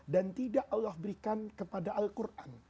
dan tidak allah berikan kepada al quran